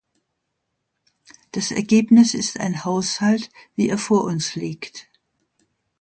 Das Ergebnis ist ein Haushalt, wie er vor uns liegt.